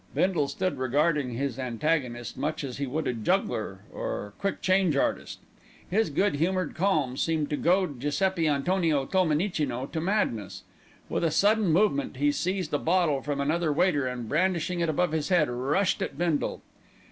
Bindle stood regarding his antagonist much as he would a juggler, or quick change artist. His good humoured calm seemed to goad Giuseppi Antonio Tolmenicino to madness. With a sudden movement he seized a bottle from another waiter and, brandishing it above his head, rushed at Bindle.